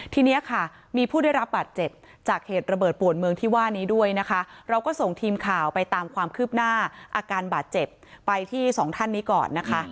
ทีนี้ค่ะมีผู้ได้รับบาดเจ็บจากเหตุระเบิดปวดเมืองที่ว่านี้ด้วยนะคะเราก็ส่งทีมข่าวไปตามความคืบหน้าอาการบาดเจ็บไปที่สองท่านนี้ก่อนนะคะ